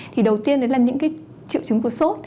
thì đầu tiên đấy là những cái triệu chứng của sốt